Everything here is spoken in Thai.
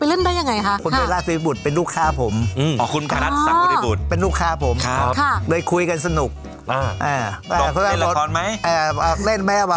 เงี่ยขายลูกชิ้นปลารวมไม่พอเหรอครับมาแยกอาชีพผม